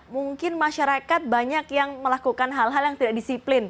mungkin masyarakat banyak yang melakukan hal hal yang tidak disiplin